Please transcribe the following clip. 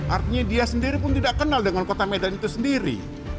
artinya dia sendiri pun tidak kenal dengan kota medan itu sendiri